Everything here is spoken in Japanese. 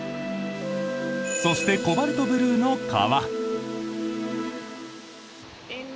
そして、コバルトブルーの川。